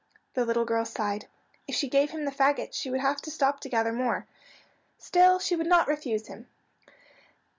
The little girl sighed. If she gave him the fagots she would have to stop to gather more. Still she would not refuse him.